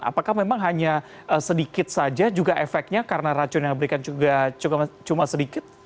apakah memang hanya sedikit saja juga efeknya karena racun yang diberikan juga cuma sedikit